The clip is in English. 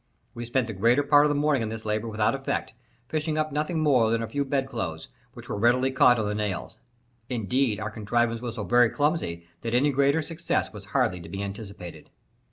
We spent the greater part of the morning in this labour without effect, fishing up nothing more than a few bedclothes, which were readily caught by the nails. Indeed, our contrivance was so very clumsy that any greater success was hardly to be anticipated.